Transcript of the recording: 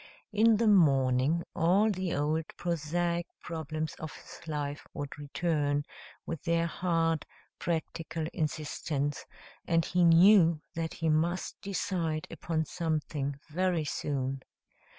In the morning all the old, prosaic problems of his life would return, with their hard, practical insistence, and he knew that he must decide upon something very soon.